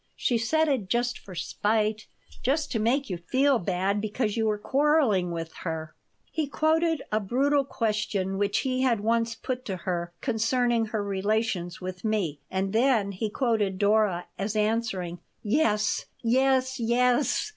She said it just for spite, just to make you feel bad, because you were quarreling with her." He quoted a brutal question which he had once put to her concerning her relations with me, and then he quoted Dora as answering: "Yes, yes, yes!